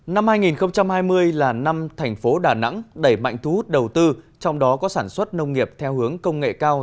năm hai nghìn hai mươi là năm thành phố đà nẵng đẩy mạnh thu hút đầu tư trong đó có sản xuất nông nghiệp theo hướng công nghệ cao